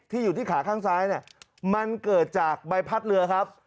อยู่ที่ขาข้างซ้ายเนี่ยมันเกิดจากใบพัดเรือครับ